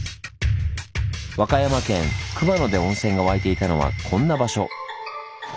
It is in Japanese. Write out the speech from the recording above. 和歌山県熊野で温泉が湧いていたのはこんな場所。